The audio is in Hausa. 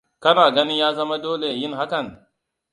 Kana ganin ya zama dole yin hakan?